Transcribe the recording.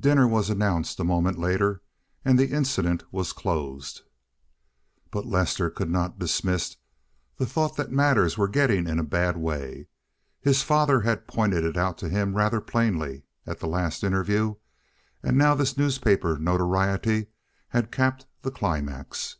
Dinner was announced a moment later and the incident was closed. But Lester could not dismiss the thought that matters were getting in a bad way. His father had pointed it out to him rather plainly at the last interview, and now this newspaper notoriety had capped the climax.